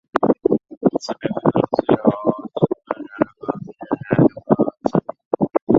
乌兹别克族是由粟特人和突厥人溶合而成。